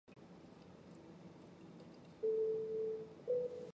福建绣球为虎耳草科绣球属下的一个种。